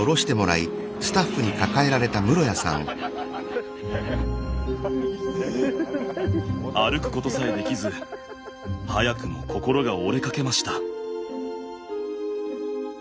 ええっ⁉歩くことさえできず早くも心が折れかけました。